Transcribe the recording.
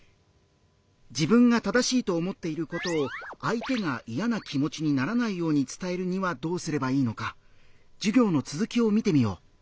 自分が正しいと思っていることを相手が嫌な気持ちにならないように伝えるにはどうすればいいのか授業の続きを見てみよう。